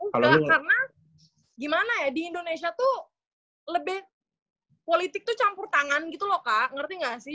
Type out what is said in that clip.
karena gimana ya di indonesia tuh lebih politik tuh campur tangan gitu loh kak ngerti nggak sih